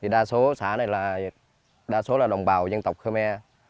đa số xã này là đồng bào dân tộc khô me